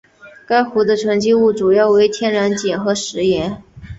该湖的沉积物主要为天然碱和石盐。